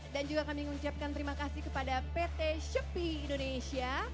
dan juga kami mengucapkan terima kasih kepada pt shopee indonesia